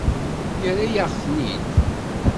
Yerra-yaɣ-ten-id.